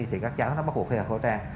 thì các cháu bắt buộc đeo khẩu trang